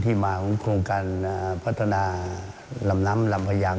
ที่มาจากโครงการพัฒนาลำน้ำลำประยัง